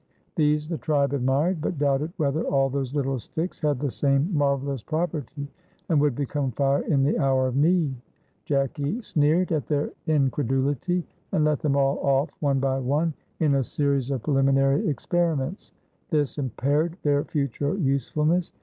These the tribe admired, but doubted whether all those little sticks had the same marvelous property and would become fire in the hour of need; Jacky sneered at their incredulity, and let them all off one by one in a series of preliminary experiments; this impaired their future usefulness.